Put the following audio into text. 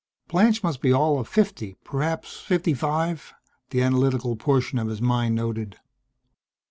Blanche must be all of fifty, perhaps fifty five, the analytical portion of his mind noted.